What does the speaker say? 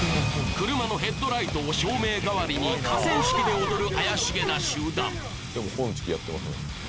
車のヘッドライトを照明代わりに河川敷で踊る